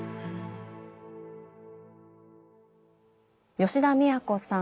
吉田都さん